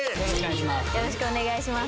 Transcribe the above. よろしくお願いします。